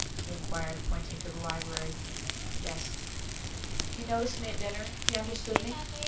he inquired, pointing to the library. "Yes." "He noticed me at dinner? He understood me?"